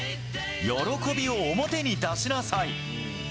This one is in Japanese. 「喜びを表に出しなさい」。